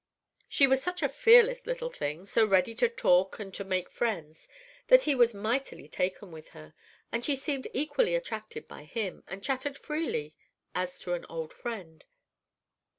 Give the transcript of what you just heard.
She was such a fearless little thing, so ready to talk and to make friends, that he was mightily taken with her, and she seemed equally attracted by him, and chattered freely as to an old friend.